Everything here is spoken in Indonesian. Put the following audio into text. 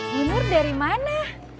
bunur dari mana